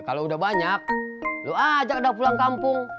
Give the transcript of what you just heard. kalau udah banyak lo ajak dah pulang kampung